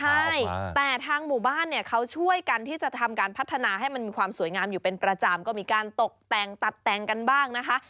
ใช่แต่ทางหมู่บ้านเนี่ยเขาช่วยกันที่จะทำการพัฒนาให้มันมีความสวยงามอยู่เป็นประจำก็มีการตกแต่งตัดแต่งกันบ้างนะคะ